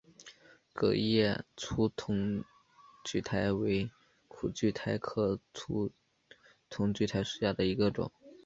革叶粗筒苣苔为苦苣苔科粗筒苣苔属下的一个种。